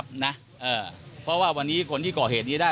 คุณผู้ชมฟังเสียงพี่โจ๊กหน่อยค่ะ